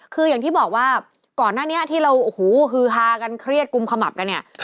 คืออย่างที่บอกว่าก่อนหน้านี้ที่เราโอ้โหฮือฮากันเครียดกุมขมับกันเนี่ย